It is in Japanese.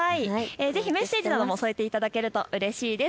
ぜひメッセージなども添えていただけるとうれしいです。